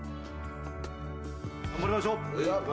頑張りましょう！